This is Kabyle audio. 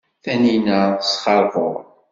Taninna tesxerxur.